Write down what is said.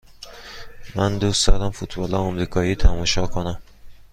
من دوست دارم فوتبال آمریکایی تماشا کنم.